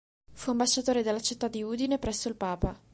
Fu ambasciatore della città di Udine presso il papa.